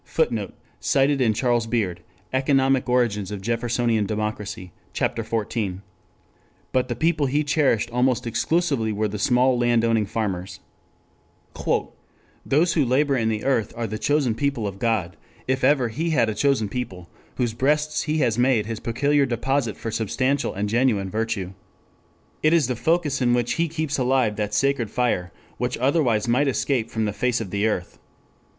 [Footnote: Cited in Charles Beard, Economic Origins of Jeffersonian Democracy. Ch. XIV. ] But the people he cherished almost exclusively were the small landowning farmers: "Those who labor in the earth are the chosen people of God, if ever He had a chosen people, whose breasts He has made his peculiar deposit for substantial and genuine virtue. It is the focus in which He keeps alive that sacred fire, which otherwise might escape from the face of the earth.